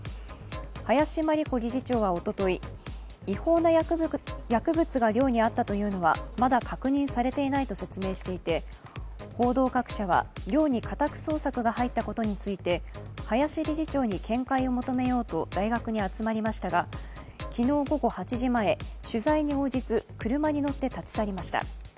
林真理子理事長はおととい、違法な薬物が寮にあったというのは、まだ確認されていないと説明していて、報道各社は寮に家宅捜索が入ったことについて林理事長に見解を求めようと大学に集まりましたが、昨日午後８時前、取材に応じず車に乗って立ち去りました。